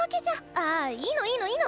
ああいいのいいのいいの！